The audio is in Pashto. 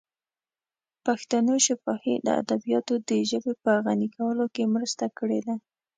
د پښتنو شفاهي ادبیاتو د ژبې په غني کولو کې مرسته کړې ده.